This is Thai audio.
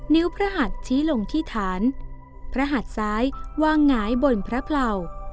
นิ้วพระหัดชี้ลงที่ฐานพระหัดซ้ายวางหงายบนพระเผลา